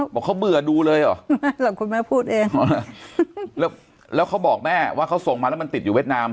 บอกเขาเบื่อดูเลยเหรอคุณแม่พูดเองแล้วเขาบอกแม่ว่าเขาส่งมาแล้วมันติดอยู่เวียดนาม